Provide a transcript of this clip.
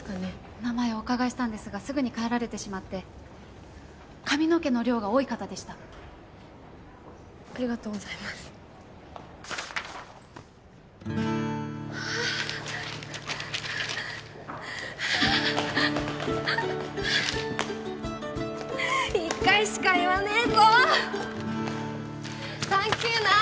お名前を伺ったんですがすぐに帰られて髪の毛の量が多い方でしたありがとうございますああああ一回しか言わねえぞサンキューな！